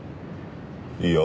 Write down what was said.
いや。